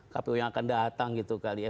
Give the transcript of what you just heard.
kpu yang akan datang gitu kali ya